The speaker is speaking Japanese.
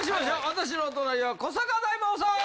私の隣は古坂大魔王さん！